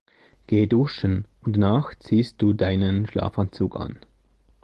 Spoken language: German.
Geh duschen und danach ziehst du deinen Schlafanzug an.